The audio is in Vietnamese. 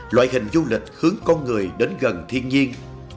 loại hình du lịch hướng con người đến gần thiên nhiên